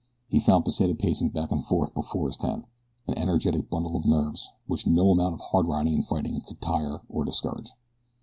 He found Pesita pacing back and forth before his tent an energetic bundle of nerves which no amount of hard riding and fighting could tire or discourage.